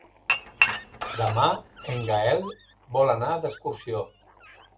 Demà en Gaël vol anar d'excursió.